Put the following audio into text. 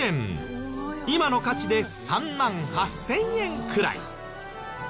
今の価値で３万８０００円くらい。